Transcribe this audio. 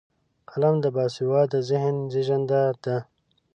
قلم د باسواده ذهن زیږنده ده